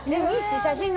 写真。